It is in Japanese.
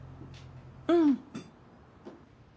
うん。